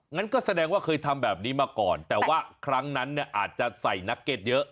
งั้นก็แสดงว่าเคยทำแบบนี้มาก่อนแต่ว่าครั้งนั้นเนี่ยอาจจะใส่นักเก็ตเยอะ